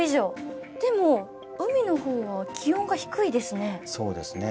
でも海のほうは気温が低いですね。